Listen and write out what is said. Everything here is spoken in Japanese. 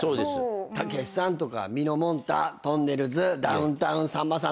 たけしさんとかみのもんたとんねるずダウンタウンさんまさん